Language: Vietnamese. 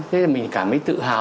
thế mình cảm thấy tự hào